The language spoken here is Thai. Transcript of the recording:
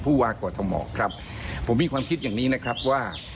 ผู้ว่ากอทมครับผมมีความคิดอย่างนี้นะครับว่า